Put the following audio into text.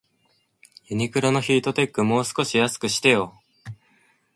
ユニクロのヒートテック、もう少し安くしてよ